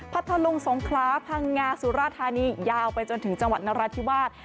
ทะลุงสงคราพังงาสุราธานียาวไปจนถึงจังหวัดนราธิวาส